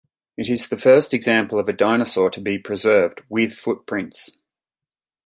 It is the first example of a dinosaur to be preserved with footprints.